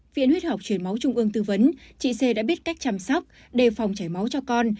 viện huyết học truyền máu trung ương tư vấn chị xê đã biết cách chăm sóc đề phòng chảy máu cho con